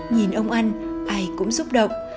nhìn ông ăn ai cũng xúc động